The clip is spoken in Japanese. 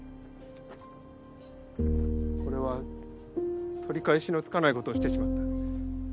俺は取り返しのつかないことをしてしまった。